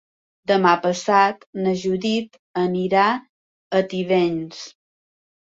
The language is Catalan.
Demà passat na Judit anirà a Tivenys.